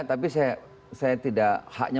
tapi saya tidak haknya